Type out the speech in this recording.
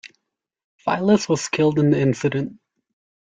Phyllis was killed in the incident.